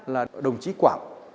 là đồng chí quảng